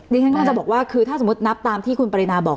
ดีขึ้นก็จะบอกว่าคือถ้าสมมตินับตามที่คุณปริณาบอก